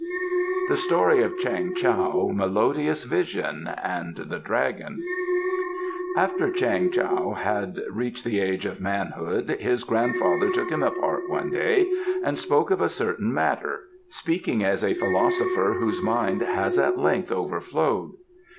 The Story of Chang Tao, Melodious Vision and the Dragon After Chang Tao had reached the age of manhood his grandfather took him apart one day and spoke of a certain matter, speaking as a philosopher whose mind has at length overflowed.